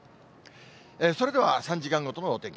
それでは、３時間ごとのお天気。